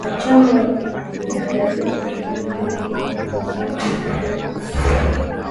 wachanga ni rahisi kushona kuliko watu wazima na mtu anapomsifu